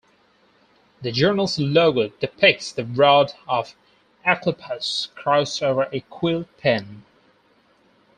The journal's logo depicts the Rod of Asclepius crossed over a quill pen.